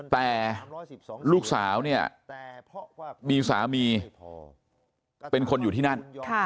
แต่ลูกสาวเนี่ยมีสามีเป็นคนอยู่ที่นั่น